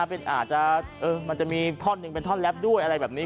เป็นอาจจะเออมันจะมีท่อนึงเป็นท่อนแรปด้วยอะไรแบบนี้